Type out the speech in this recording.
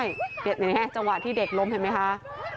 จังหวะที่เด็กล้มเห็นมั้ยคะ